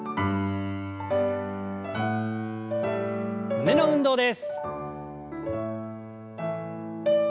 胸の運動です。